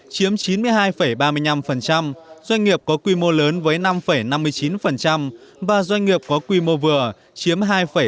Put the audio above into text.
chiếm chín mươi hai ba mươi năm doanh nghiệp có quy mô lớn với năm năm mươi chín và doanh nghiệp có quy mô vừa chiếm hai bảy mươi